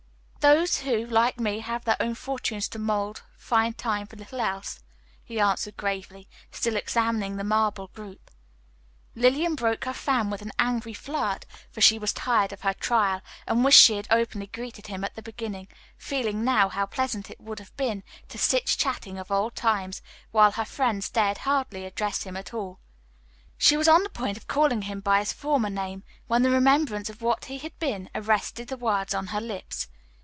Those who, like me, have their own fortunes to mold find time for little else," he answered gravely, still examining the marble group. Lillian broke her fan with an angry flirt, for she was tired of her trial, and wished she had openly greeted him at the beginning; feeling now how pleasant it would have been to sit chatting of old times, while her friends dared hardly address him at all. She was on the point of calling him by his former name, when the remembrance of what he had been arrested the words on her lips.